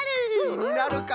きになるか。